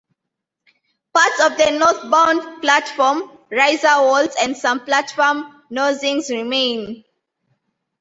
Parts of the northbound platform riser walls and some platform nosings remain.